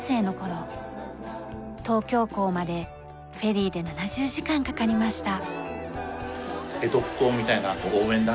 東京港までフェリーで７０時間かかりました。